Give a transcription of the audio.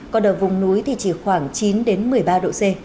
còn ở vùng núi thì chỉ khoảng chín một mươi ba độ c